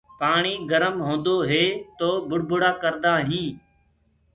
پآڻي گرم هوندو هي تو بُڙبُڙآ ڪڙدآ هينٚ۔